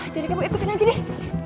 jadi kepo ikutin aja deh